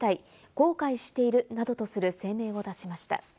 後悔しているなどとする声明を出しました。